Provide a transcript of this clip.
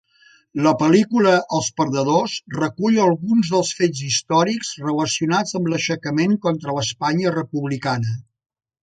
La pel·lícula Els perdedors recull alguns dels fets històrics relacionats amb l'aixecament contra l'Espanya Republicana.